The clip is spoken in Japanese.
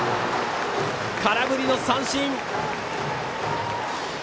空振り三振。